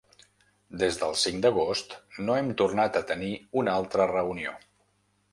Des del cinc d’agost no hem tornat a tenir una altra reunió.